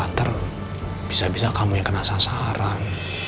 bisa bisa kamu yang kena sasaran